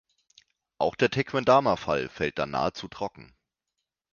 Auch der Tequendama-Fall fällt dann nahezu trocken.